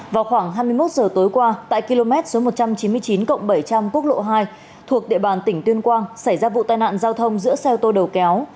vào khoảng hai mươi một giờ tối qua tại km một trăm chín mươi chín bảy trăm linh quốc lộ hai thuộc địa bàn tỉnh tuyên quang xảy ra vụ tai nạn giao thông giữa xe ô tô đầu kéo